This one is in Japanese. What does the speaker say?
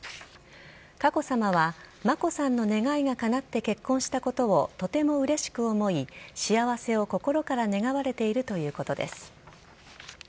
佳子さまは、眞子さんの願いがかなって結婚したことをとてもうれしく思い、幸せを心から願われているということです。